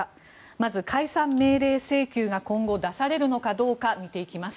まず解散命令請求が今後、出されるのかどうか見ていきます。